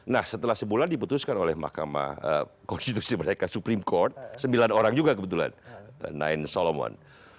nah setelah sebulan diputuskan oleh mahkamah konstitusi mereka supreme court sembilan orang juga kebetulan sembilan solomon